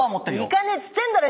行かねえっつってんだろ！